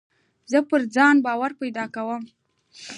زه پر ځان باور پیدا کوم.